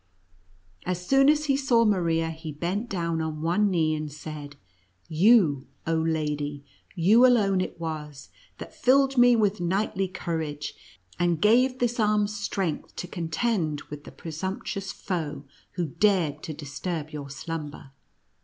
As soon as he saw Maria, he bent down on one knee, and said: " You, oh lady — you alone it was, that filled me with knightly courage, and gave this arm strength to contend with the presumptuous foe who dared to disturb your slumber.